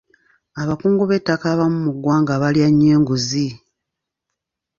Abakungu b'ettaka abamu mu ggwanga balya nnyo enguzi.